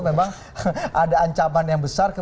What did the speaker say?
memang ada ancaman yang besar